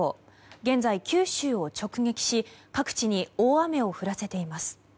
現在、九州を直撃し各地に大雨を降らせています。